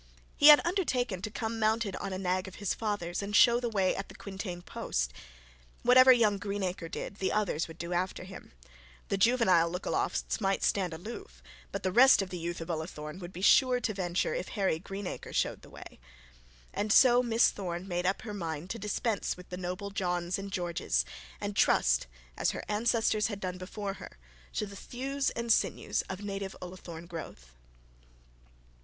He had undertaken to come mounted on a nag of his father's, and show the way at the quintain post. Whatever young Greenacre did the others would do after him. The juvenile Lookalofts might stand sure to venture if Harry Greenacre showed the way. And so Miss Thorne made up her mind to dispense with the noble Johns and Georges, and trust, as her ancestors had done before her, to the thews and sinews of native Ullathorne growth.